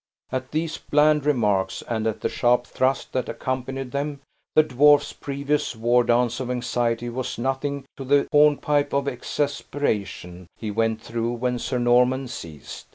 At these bland remarks, and at the sharp thrust that accompanied them, the dwarfs previous war dance of anxiety was nothing to the horn pipe of exasperation he went through when Sir Norman ceased.